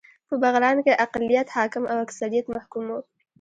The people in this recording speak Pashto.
په بغلان کې اقليت حاکم او اکثريت محکوم و